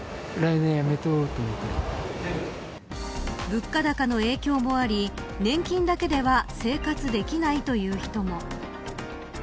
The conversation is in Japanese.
物価高の影響もあり年金だけでは生活できないという人も。